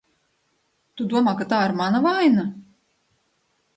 Tu domā, ka tā ir mana vaina?